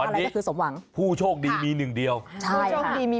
พวกเรานี้พูดโชคดีมีเฉียบนึงเดียว